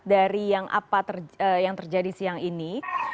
dari yang apa yang terjadi siang ini